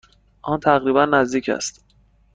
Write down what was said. آن تقریبا نزدیک است.